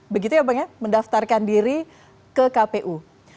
begitu ya bang ya mendaftarkan diri ke kpu